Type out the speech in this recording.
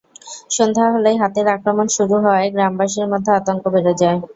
সন্ধ্যা হলেই হাতির আক্রমণ শুরু হওয়ায় গ্রামবাসীর মধ্যে আতঙ্ক বেড়ে যায়।